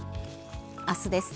明日です。